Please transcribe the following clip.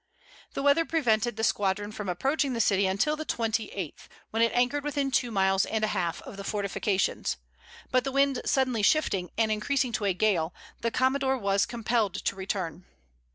The weather prevented the squadron from approaching the city until the twenty eighth, when it anchored within two miles and a half of the fortifications; but the wind suddenly shifting, and increasing to a gale, the commodore was compelled to return.